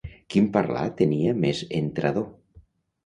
Quin parlar tenia més entrador!